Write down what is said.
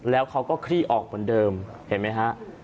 แล้วเขาก็คลี่ออกเหมือนเดิมเห็นไหมฮะ